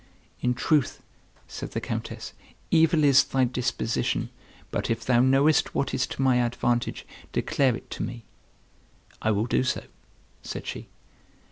"In truth," said the Countess, "evil is thy disposition; but if thou knowest what is to my advantage, declare it to me." "I will do so," said she.